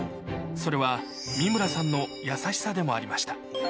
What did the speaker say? それは三村さんの優しさでもありました